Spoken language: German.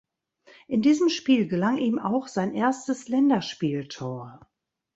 In diesem Spiel gelang ihm auch sein erstes Länderspieltor.